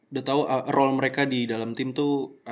udah tahu role mereka di dalam tim tuh